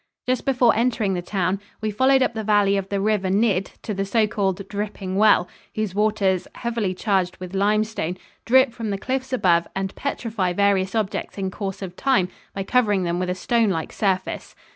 Just before entering the town, we followed up the valley of the River Nidd to the so called "dripping well," whose waters, heavily charged with limestone, drip from the cliffs above and "petrify" various objects in course of time by covering them with a stonelike surface.